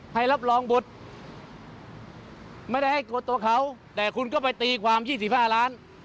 ให้รับรองบุตรไม่ได้ให้กดตัวเขาแต่คุณก็ไปตีความ๒๕ล้าน